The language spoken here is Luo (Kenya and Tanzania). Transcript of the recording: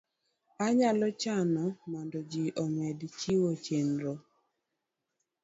Anyalo chano mondo ji omed jiwo chenro